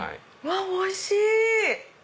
おいしい！